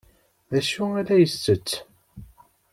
D acu ay la yettett?